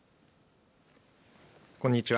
こんにちは。